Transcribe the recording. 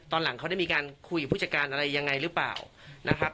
หลังเขาได้มีการคุยกับผู้จัดการอะไรยังไงหรือเปล่านะครับ